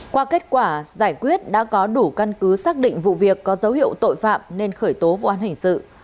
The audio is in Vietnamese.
qua kết quả giải quyết đã có đủ căn cứ xác định vụ việc có dấu hiệu tội phạm nên khởi tố vụ án hình sự